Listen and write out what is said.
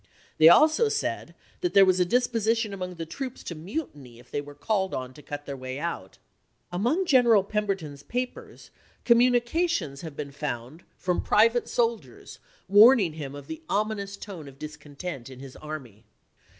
They also said that there was a dis position among the troops to mutiny if they were called on to cut their way out. Among General Pemberton's papers communications have been 302 ABRAHAM LINCOLN chap.x. found, from private soldiers, warning him of the voikxiv ommous ^one °f discontent in his army.